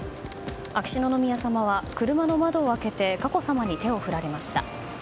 秋篠宮さまは車の窓を開けて佳子さまに手を振られました。